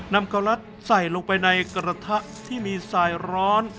โกลัดใส่ลงไปในกระทะที่มีสายร้อน